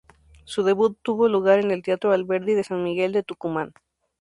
Su debut tuvo lugar en el teatro Alberdi de San Miguel de Tucumán.